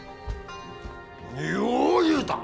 よう言うた！